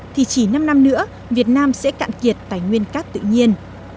thì chỉ năm năm nữa việt nam sẽ cạn kiệt tài nguyên cát tự nhiên